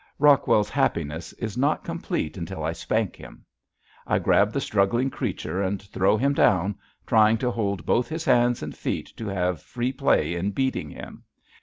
Rockwell's happiness is not complete until I spank him. I grab the struggling creature and throw him down, trying to hold both his hands and feet to have free play in beating him.